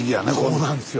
そうなんですよ。